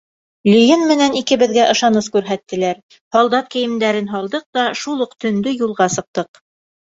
Лиен менән икебеҙгә ышаныс күрһәттеләр, һалдат кейемдәрен һалдыҡ та шул уҡ төндө юлға сыҡтыҡ.